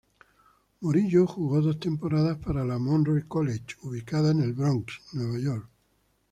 Morillo jugó dos temporadas para la Monroe College ubicada en el Bronx, Nueva York.